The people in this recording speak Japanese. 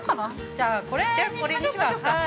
◆じゃあ、これにしましょうか。